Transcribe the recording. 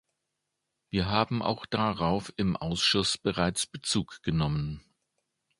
Wir haben auch darauf im Ausschuss bereits Bezug genommen.